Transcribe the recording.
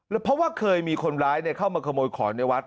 เพราะว่าเคยมีคนร้ายเข้ามาขโมยของในวัด